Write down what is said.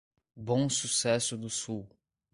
Bom Sucesso do Sul